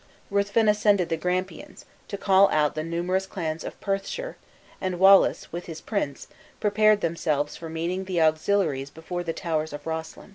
Ruthven ascended the Grampians, to call out the numerous clans of Perthshire, and Wallace, with his prince, prepared themselves for meeting the auxiliaries before the towers of Roslyn.